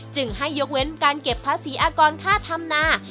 จึงให้ยกเว้นการเก็บภาษีอากรค่าธรรมนา